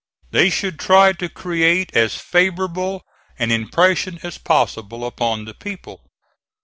They should try to create as favorable an impression as possible upon the people."